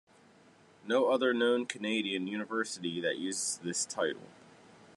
No other known Canadian university that uses this title.